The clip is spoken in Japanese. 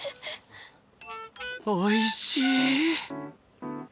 おいしい！